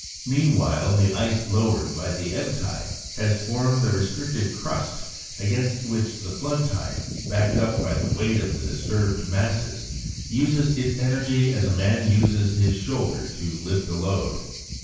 Meanwhile the ice lowered by the ebb tide has formed a restricted crust against which the flood tide, backed up by the weight of the disturbed masses, uses its energy as a man uses his shoulder to lift a load.